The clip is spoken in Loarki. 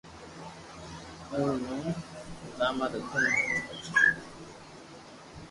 او رو نوم سيات ھتو